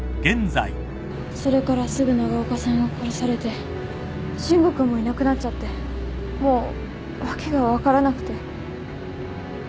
それからすぐ長岡さんが殺されて伸吾君もいなくなっちゃってもう訳が分からなくて。